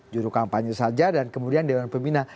juru kampanye saja dan kemudian dewan pembina